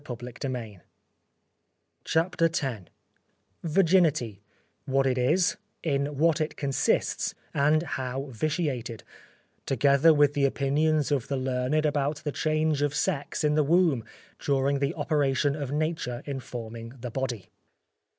CHAPTER X _Virginity, what it is, in what it consists, and how vitiated; together with the Opinions of the Learned about the Change of Sex in the Womb, during the Operation of Nature in forming the Body.